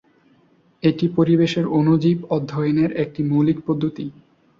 এটি পরিবেশের অণুজীব অধ্যয়নের একটি মৌলিক পদ্ধতি।